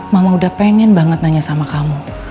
mama udah pengen banget nanya sama kamu